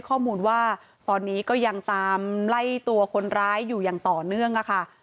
ข้อมูลว่าตอนนี้ก็ยังตามไล่ตัวคนร้ายอยู่อย่างต่อเนื่องค่ะ